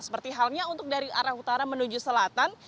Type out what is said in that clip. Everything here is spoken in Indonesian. seperti halnya untuk dari arah utara menuju selatan